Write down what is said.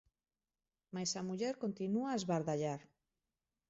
Mais a muller continúa a esbardallar.